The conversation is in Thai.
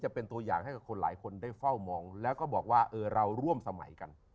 จะเป็นตัวอย่างให้กับคนหลายคนได้เฝ้ามองแล้วก็บอกว่าเออเราร่วมสมัยกัน